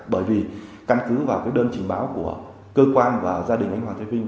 bởi vì căn cứ vào đơn trình báo của cơ quan và gia đình anh hoàng thế vinh